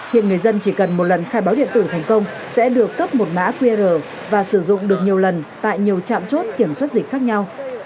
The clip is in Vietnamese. hiện người dân chỉ cần một lần khai báo điện tử thành công sẽ được cấp một mã qr và sử dụng được nhiều lần tại nhiều trạm chốt kiểm soát dịch khác nhau